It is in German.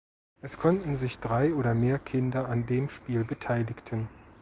Es konnten sich drei oder mehr Kinder an dem Spiel beteiligten.